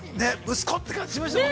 息子って感じがしましたもんね。